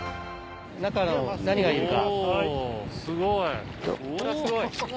中何がいるか。